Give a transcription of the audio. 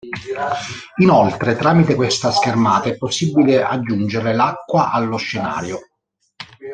Inoltre, tramite questa schermata è possibile aggiungere l'acqua allo scenario.